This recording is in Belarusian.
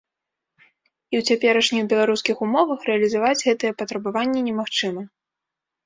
І ў цяперашніх беларускіх умовах рэалізаваць гэтыя патрабаванні немагчыма.